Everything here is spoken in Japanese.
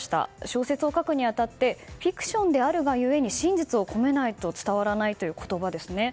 小説を書くに当たってフィクションであるがゆえに真実を込めないと伝わらないという言葉ですね。